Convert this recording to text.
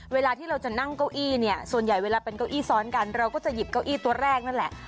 เวลาที่เราจะนั่งเก้าอี้เนี่ยส่วนใหญ่เวลาเป็นเก้าอี้ซ้อนกันเราก็จะหยิบเก้าอี้ตัวแรกนั่นแหละ